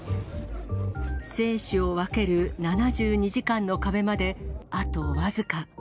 生死を分ける７２時間の壁まであと僅か。